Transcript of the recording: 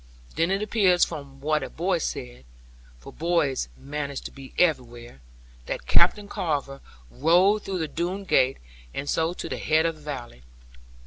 Then it appears from what a boy said for boys manage to be everywhere that Captain Carver rode through the Doone gate, and so to the head of the valley.